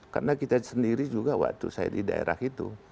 karena kita sendiri juga waktu saya di daerah itu